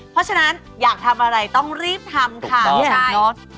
เพราะฉะนั้นอยากทำอะไรต้องรีบทำค่ะพี่ชาย